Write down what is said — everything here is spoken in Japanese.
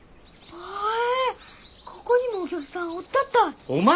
ここにもお客さんおったったい。